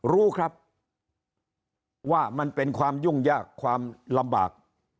รู้ครับว่ามันเป็นความยุ่งยากความลำบาก